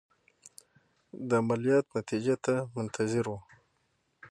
د عملیات نتیجې ته منتظر وو.